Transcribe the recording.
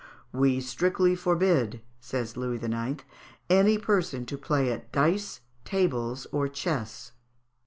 "We strictly forbid," says Louis IX., "any person to play at dice, tables, or chess."